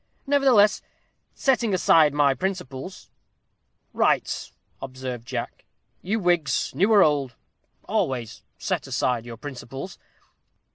Nevertheless, setting aside my principles " "Right," observed Jack; "you Whigs, new or old, always set aside your principles."